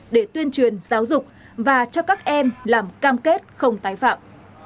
để tuyên truyền giáo dục và cho các em làm cam kết không tái phạm